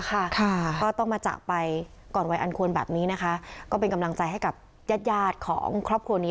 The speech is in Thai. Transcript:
ก็ต้องมาจากไปก่อนวัยอันควรแบบนี้นะคะก็เป็นกำลังใจให้กับญาติยาดของครอบครัวนี้